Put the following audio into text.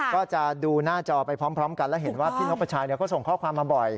ก็จะดูหน้าจอไปพร้อมกันแล้วเห็นว่าพี่นกประชายเขาส่งข้อความมาบ่อย